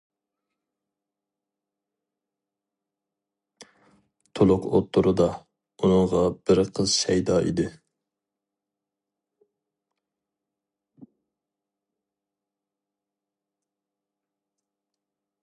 تۇلۇق ئوتتۇرىدا ئۇنىڭغا بىر قىز شەيدا ئىدى.